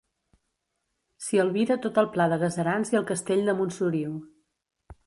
S'hi albira tot el pla de Gaserans i el castell de Montsoriu.